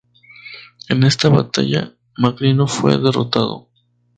En esta batalla, Macrino fue derrotado.